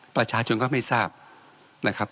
ประชาชนก็ไม่ทราบนะครับ